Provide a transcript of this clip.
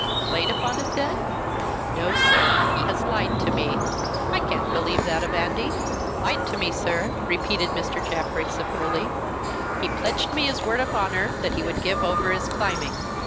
"Played upon it, then!" "No, sir. He has lied to me!" "I can't believe that of Andy." "Lied to me, sir," repeated Mr. Jaffrey, severely. "He pledged me his word of honor that he would give over his climbing.